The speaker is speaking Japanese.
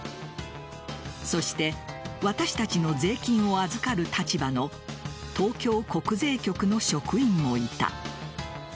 そして私たちの税金を預かる立場の東京国税局の職員もいた。